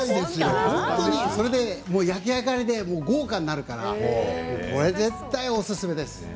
それで焼き上がりで豪華になるからこれ絶対おすすめです。